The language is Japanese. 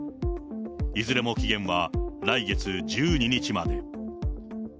いずれも期限は来月１２日まで。